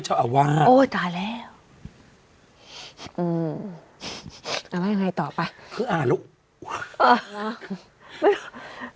ช่วยเจ้าอาวาโอ้ยตายแล้วอืมเอาไงไงต่อไปคืออ่าแล้วอ่า